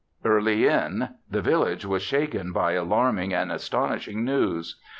Early in 1917, the village was shaken by alarming and astonishing news.